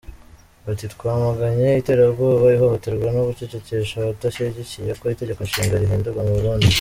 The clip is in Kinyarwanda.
Bati “ Twamaganye iterabwoba, ihohoterwa no gucecekesha abadashyigikiye ko itegeko Nshinga rihindurwa mu Burundi”.